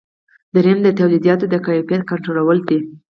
دریم د تولیداتو د کیفیت کنټرولول دي.